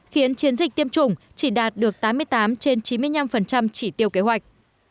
khiến chiến dịch tiêm chủng chỉ đạt được tám mươi tám trên chín mươi năm chỉ tiêu kế hoạch